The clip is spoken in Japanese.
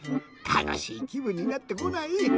たのしいきぶんになってこない？